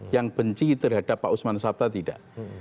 yang benci terhadap pak usman sabta tidak